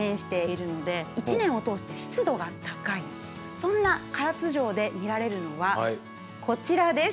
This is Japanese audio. そんな唐津城で見られるのはこちらです。